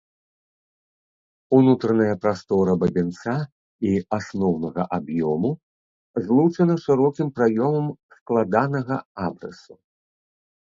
Унутраная прастора бабінца і асноўнага аб'ёму злучана шырокім праёмам складанага абрысу.